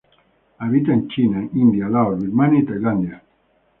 Habita en China, India, Laos, Birmania y Tailandia.